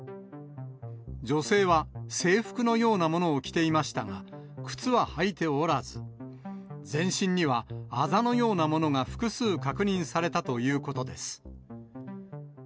女性は制服のようなものを着ていましたが、靴は履いておらず、全身にはあざのようなものが複数確認されたということです。